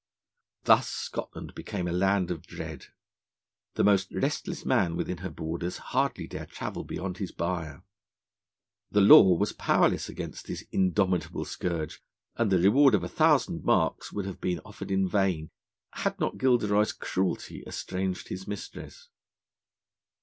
Thus Scotland became a land of dread; the most restless man within her borders hardly dare travel beyond his byre. The law was powerless against this indomitable scourge, and the reward of a thousand marks would have been offered in vain, had not Gilderoy's cruelty estranged his mistress.